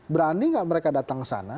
berani nggak mereka datang ke sana